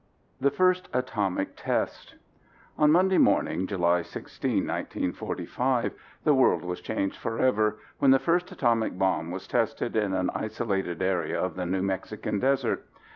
THE FIRST ATOMIC TEST On Monday morning July 16, 1945, the world was changed forever when the first atomic bomb was tested in an isolated area of the New Mexico desert.